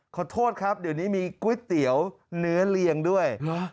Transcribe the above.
ขอโทษครับเดี๋ยวนี้มีก๋วยเตี๋ยวเนื้อเลียงด้วย